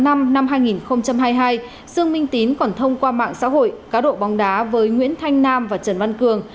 năm hai nghìn hai mươi hai dương minh tín còn thông qua mạng xã hội cá độ bóng đá với nguyễn thanh nam và trần văn cường